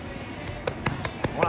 ほら！